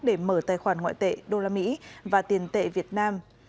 để mở tài khoản ngoại tệ đô la mỹ và tiền tệ việt nam